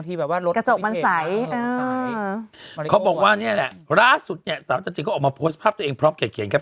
ที่แบบว่าลดพิเศษนะมริโกะกว่านี้แหละสาวจันทริกก็ออกมาโพสต์ภาพตัวเองพร้อมเขียนครับ